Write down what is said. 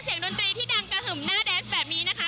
ดนตรีที่ดังกระหึ่มหน้าแดนส์แบบนี้นะคะ